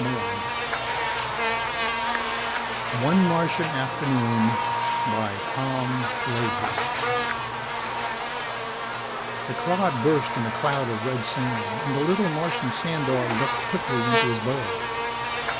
_ ONE MARTIAN AFTERNOON By Tom Leahy Illustrated by BRUSH The clod burst in a cloud of red sand and the little Martian sand dog ducked quickly into his burrow.